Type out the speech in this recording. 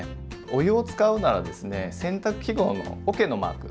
お湯を使うならですね洗濯記号のおけのマーク